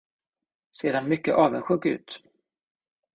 Ser han mycket avundsjuk ut.